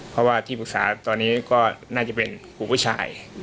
เพราะว่าที่ปรึกษาตอนนี้ก็น่าจะเป็นครูผู้ชาย